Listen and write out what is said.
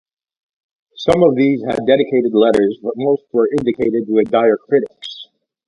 Some of these had dedicated letters, but most were indicated with diacritics.